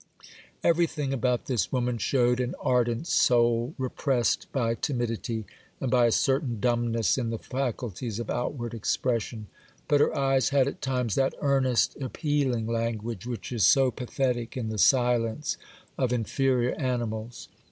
Everything about this woman showed an ardent soul, repressed by timidity and by a certain dumbness in the faculties of outward expression; but her eyes had, at times, that earnest, appealing language which is so pathetic in the silence of inferior animals.